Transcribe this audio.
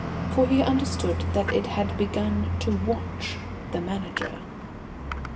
For he understood that it had begun to watch the Manager!